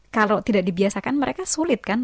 kalau tidak dibiasakan mereka sulit kan